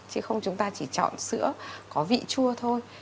chứ không chúng ta chỉ chọn sữa có vị chua thôi